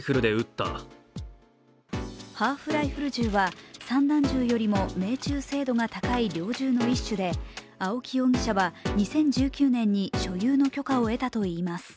ハーフライフル銃は散弾銃よりも命中精度が高い猟銃の一種で青木容疑者は２０１９年に所有の許可を得たといいます。